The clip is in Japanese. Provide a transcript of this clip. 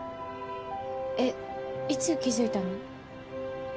えっいつ気づいたの？